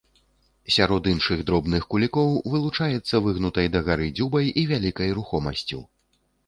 Сярод іншых дробных кулікоў вылучаецца выгнутай дагары дзюбай і вялікай рухомасцю.